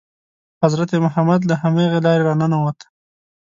حضرت محمد له همغې لارې را ننووت.